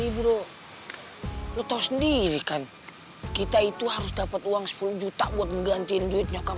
empat puluh bro lu tahu sendiri kan kita itu harus dapat uang sepuluh juta buat menggantiin duit nyokap